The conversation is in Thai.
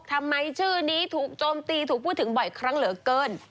ทำไมชื่อนี้ถูกโจมตีถูกพูดถึงบ่อยครั้งเหลือเกิน